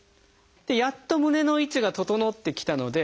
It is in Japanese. やっと胸の位置が整ってきたので。